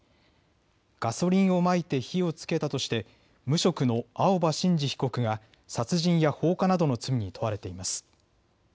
ガソリンをまいて火をつけたとして無職の青葉真司被告が殺人や放火などの罪に問われています。